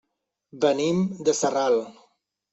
Venim de Sarral.